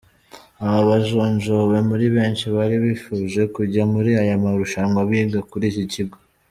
Aba bajonjowe muri benshi bari bifuje kujya muri aya marushanwa biga kuri iki kigo.